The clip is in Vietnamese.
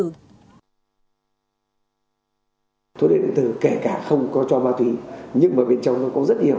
thuốc điện điện tử kể cả không có cho ma túy nhưng mà bên trong nó có rất nhiều